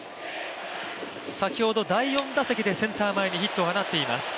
先ほど第４打席でセンター前にヒットを放っています。